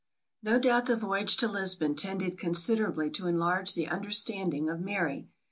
No doubt the voyage to Lisbon tended considerably to enlarge the understanding of Mary.